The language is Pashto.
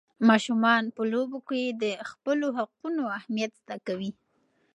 ماشومان په لوبو کې د خپلو حقونو اهمیت زده کوي.